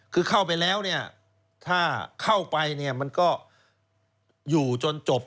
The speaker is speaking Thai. คือเข้าไปแล้วถ้าเข้าไปมันก็อยู่จนจบ